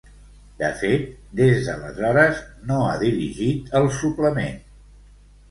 De fet, des d’aleshores, no ha dirigit ‘El suplement’.